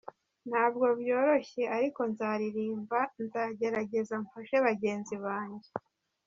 Ntabwo byoroshye ariko nzaririmba, nzagerageza mfashe bagenzi banjye.